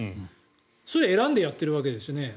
それは選んでやっているわけですよね。